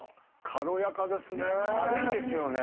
軽やかですね。